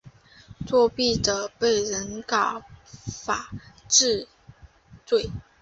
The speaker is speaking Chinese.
作弊者被人告发治罪。